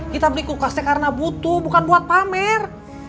kita beli kulkasnya karena butuh bukan buat pamer